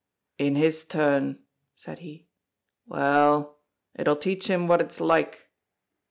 "In his turn!" said he. "Well, it'll teach him what it's like."